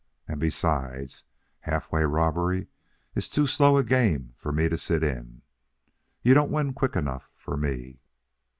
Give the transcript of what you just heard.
And, besides, halfway robbery is too slow a game for me to sit in. You don't win quick enough for me."